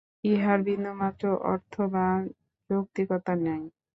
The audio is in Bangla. ইহার বিন্দুমাত্র অর্থ বা যৌক্তিকতা নাই।